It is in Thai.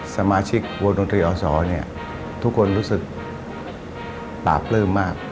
สมาชิกวงอสทุกคนรู้สึกตาเปลื้อมาก